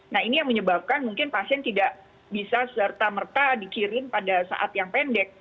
nah ini yang menyebabkan mungkin pasien tidak bisa serta merta dikirim pada saat yang pendek